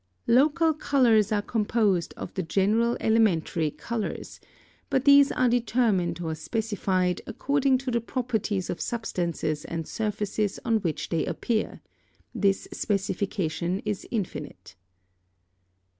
Local colours are composed of the general elementary colours; but these are determined or specified according to the properties of substances and surfaces on which they appear: this specification is infinite.